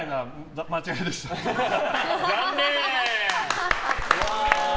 残念！